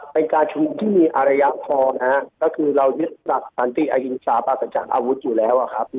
เป็นการชุมที่มีอรยากธรพจน์นะฮะก็คือเรายืดสนับตัวที่ยิงเฉพาะจากอาวุธอยู่แล้วอ่ะครับ